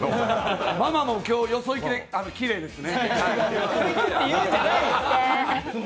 ママも今日、よそ行きできれいですね。